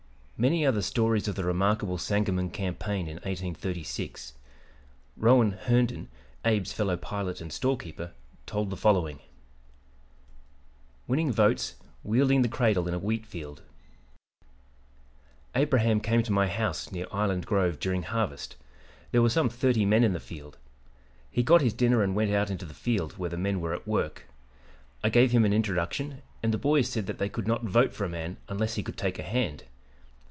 Many are the stories of the remarkable Sangamon campaign in 1836. Rowan Herndon, Abe's fellow pilot and storekeeper, told the following: WINNING VOTES, WIELDING THE "CRADLE" IN A WHEAT FIELD "Abraham came to my house, near Island Grove, during harvest. There were some thirty men in the field. He got his dinner and went out into the field, where the men were at work. I gave him an introduction, and the boys said that they could not vote for a man unless he could take a hand.